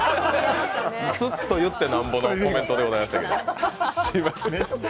すっと言ってなんぼのコメントでしたけど。